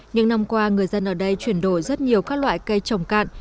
những năm qua người dân ở đây chuyển đổi rất nhiều các loại cây trồng cạn